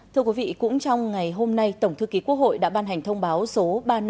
thưa quý vị cũng trong ngày hôm nay tổng thư ký quốc hội đã ban hành thông báo số ba nghìn năm trăm sáu mươi tám